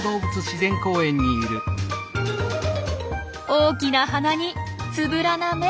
大きな鼻につぶらな目。